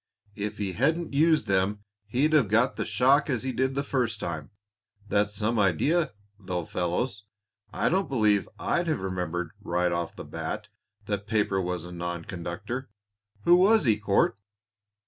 "If he hadn't used them he'd have got the shock as he did the first time. That's some idea, though, fellows. I don't believe I'd have remembered, right off the bat, that paper was a non conductor. Who was he, Court?"